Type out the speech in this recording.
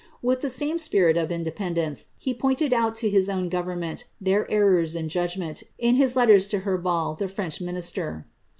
With the same spirit of independence, he pointed (^Qt to his own government their errors in judgment, in his letter to Her ^iuji, the French minister.